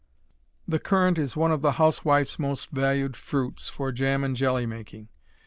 The currant is one of the housewife's most valued fruits for jam and jelly making.